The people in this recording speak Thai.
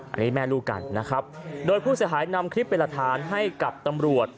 อันนี้แม่ลูกกันนะครับโดยผู้เสียหายนำคลิปเป็นหลักฐานให้กับตำรวจ